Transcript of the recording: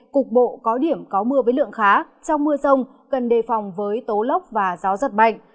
cục bộ có điểm có mưa với lượng khá trong mưa rông cần đề phòng với tố lốc và gió giật mạnh